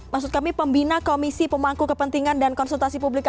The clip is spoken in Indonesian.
maksud kami pembina komisi pemangku kepentingan dan konsumsi